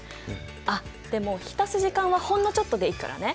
あでも浸す時間はほんのちょっとでいいからね！